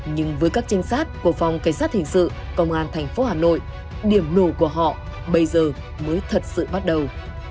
nhưng với các trinh sát của phòng cảnh sát hình sự công an thành phố hà nội điểm nổ của họ bây giờ mới thật sự bắt đầu